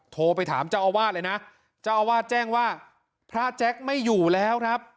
โทรไปถามเจ้าอาวาสเลยนะเจ้าอาวาสแจ้งว่าพระแจ๊คไม่อยู่แล้วครับ